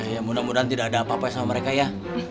ya mudah mudahan tidak ada apa apa sama mereka ya